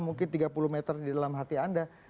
mungkin tiga puluh meter di dalam hati anda